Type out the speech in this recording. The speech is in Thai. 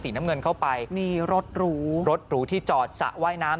ปี๖๕วันเกิดปี๖๔ไปร่วมงานเช่นเดียวกัน